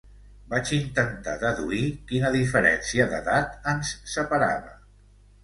Vaig intentar deduir quina diferència d'edat ens separava.